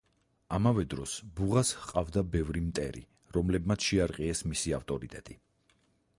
ამავე დროს ბუღას ჰყავდა ბევრი მტერი, რომლებმაც შეარყიეს მისი ავტორიტეტი.